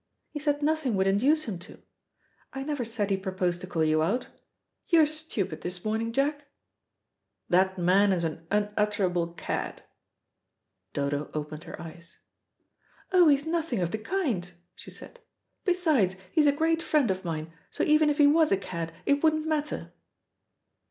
"He said nothing would induce him to. I never said he proposed to call you out. You're stupid this morning, Jack." "That man is an unutterable cad." Dodo opened her eyes. "Oh, he's nothing of the kind," she said. "Besides, he's a great friend of mine, so even if he was a cad it wouldn't matter."